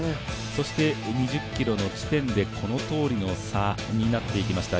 そして２０ｋｍの地点でこのとおりの差になっていきました。